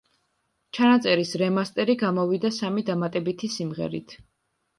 ჩანაწერის რემასტერი გამოვიდა სამი დამატებითი სიმღერით.